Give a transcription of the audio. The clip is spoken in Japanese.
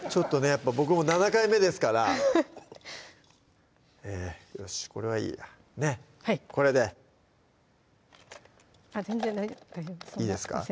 やっぱ僕も７回目ですからよしこれはいいやねっこれで全然大丈夫ですいいですか？